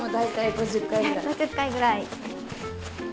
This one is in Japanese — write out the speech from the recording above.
５０回ぐらい。